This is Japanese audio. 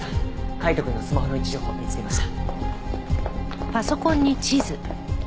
海斗くんのスマホの位置情報見つけました。